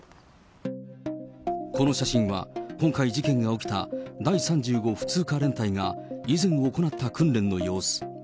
この写真は、今回事件が起きた第３５普通科連隊が、以前行った訓練の様子。